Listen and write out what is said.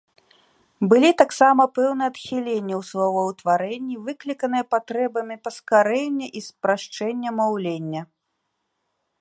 Былі таксама пэўныя адхіленні ў словаўтварэнні, выкліканыя патрэбамі паскарэння і спрашчэння маўлення.